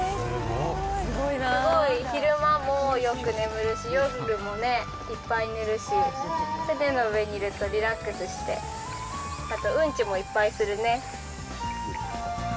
すごい昼間もよく眠るし夜もね、いっぱい寝るし、船の上にいるとリラックスして、あとうんちもいっぱいするね。